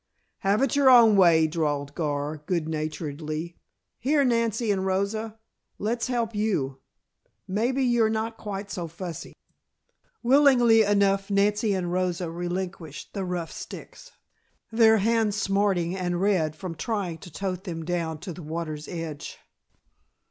"Have it your own way," drawled Gar, good naturedly. "Here, Nancy and Rosa, let's help you. Maybe you're not quite so fussy." Willingly enough Nancy and Rosa relinquished the rough sticks, their hands smarting and red from trying to tote them down to the water's edge.